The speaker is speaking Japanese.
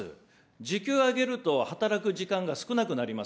時給を上げると働く時間が少なくなります